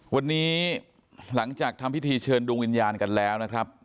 วันนี้หลังจากทำพิธีเชิญดวงวิญญาณกันแล้วนะครับ